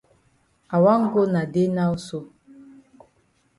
I wan go na dey now so.